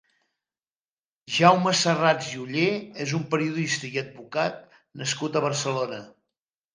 Jaume Serrats i Ollé és un periodista i advocat nascut a Barcelona.